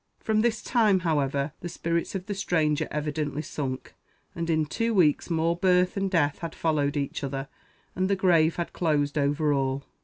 From this time, however, the spirits of the stranger evidently sunk; and in two weeks more birth and death had followed each other, and the grave had closed over all.